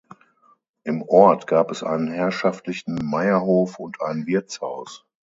Im Ort gab es einen herrschaftlichen Meierhof und ein Wirtshaus.